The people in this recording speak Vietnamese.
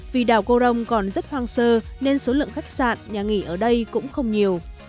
vì đảo corom còn rất hoang sơ nên số lượng khách sạn nhà nghỉ ở đây cũng không nhiều